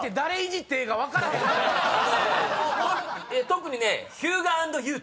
特にね。